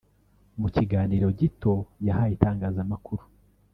mu kiganiro gito yahaye itangazamakuru